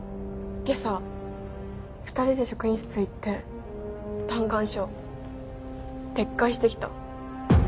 今朝２人で職員室行って嘆願書撤回してきた。